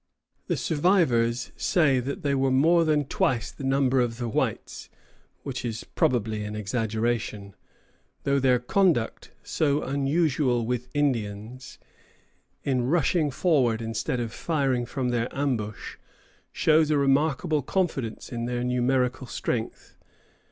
The survivors say that they were more than twice the number of the whites, which is probably an exaggeration, though their conduct, so unusual with Indians, in rushing forward instead of firing from their ambush, shows a remarkable confidence in their numerical strength.